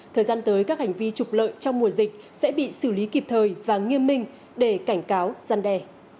thời gian tới các hành vi trục lợi trong mùa dịch sẽ bị xử lý kịp thời và nghiêm minh để cảnh cáo gian đe